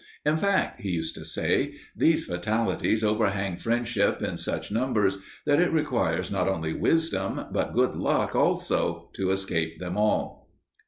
"In fact," he used to say, "these fatalities overhang friendship in such numbers that it requires not only wisdom but good luck also to escape them all."